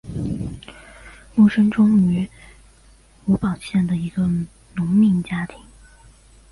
慕生忠生于吴堡县的一个农民家庭。